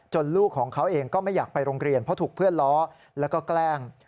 ลูกของเขาเองก็ไม่อยากไปโรงเรียนเพราะถูกเพื่อนล้อแล้วก็แกล้ง